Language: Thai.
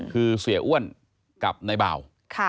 คือเสียอ้วนกับนายบ่าว